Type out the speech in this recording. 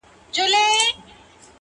د پلټني سندرماره شـاپـيـرۍ يــارانــو ـ